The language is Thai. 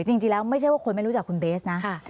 จริงแล้วไม่ใช่ว่าคนไม่รู้จักคุณเบสนะ